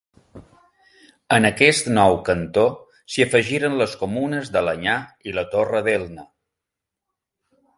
En aquest nou cantó s'hi afegiren les comunes d'Alenyà i la Torre d'Elna.